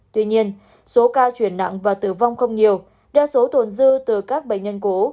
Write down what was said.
tuy nhiên số ca chuyển nặng và tử vong không nhiều đa số tồn dư từ các bệnh nhân cố